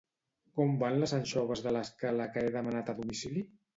Com van les anxoves de l'escala que he demanat a domicili?